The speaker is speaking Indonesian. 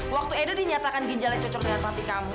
waktu edo dinyatakan ginjalnya cocok dengan papi kamu